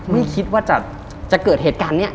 ไม่คิดว่าจะเกิดเหตุการณ์นี้